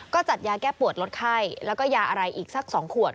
ก็จัดยาแก้ปวดลดไข้แล้วก็ยาอะไรอีกสัก๒ขวด